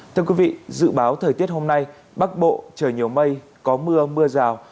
thưa quý vị dự báo thời tiết hôm nay bắc bộ trời nhiều mây có mưa mưa rào